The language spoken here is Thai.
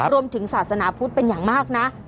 รวมถึงศาสนาพุทธเป็นอย่างมากนะ